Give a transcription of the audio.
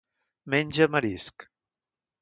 Menja marisc.